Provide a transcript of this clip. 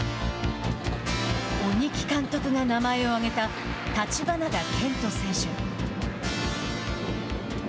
鬼木監督が名前を挙げた橘田健人選手。